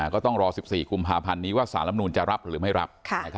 ก็ต้องรอ๑๔กุมภาพันธ์นี้ว่าสารลำนูนจะรับหรือไม่รับ